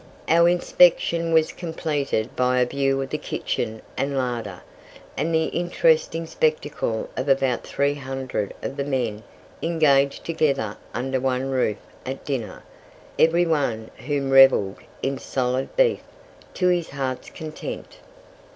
Our inspection was completed by a view of the kitchen and larder, and the interesting spectacle of about 300 of the men engaged together under one roof at dinner, every one of whom revelled in solid beef to his heart's content.